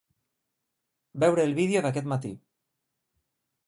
Veure el vídeo d'aquest matí.